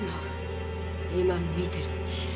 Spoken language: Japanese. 今見てる。